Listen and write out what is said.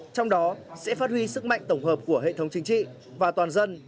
trong đó sẽ phát huy sức mạnh tổng hợp của hệ thống chính trị và toàn dân